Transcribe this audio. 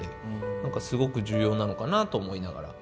何かすごく重要なのかなと思いながら。